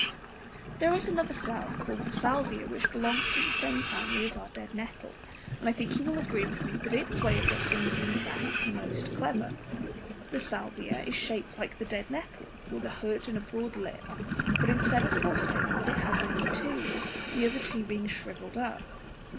There is another flower, called the Salvia, which belongs to the same family as our dead nettle, and I think you will agree with me that its way of dusting the bee's back is most clever. The Salvia (Fig. 60) is shaped just like the dead nettle, with a hood and a broad lip, but instead of four stamens it has only two, the other two being shrivelled up.